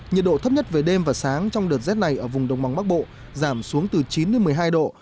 nhiệt độ thấp nhất về đêm và sáng trong đợt rét này ở vùng đồng bằng bắc bộ giảm xuống từ chín đến một mươi hai độ